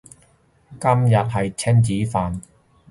今晚係親子丼